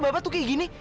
bapak tuh kayak gini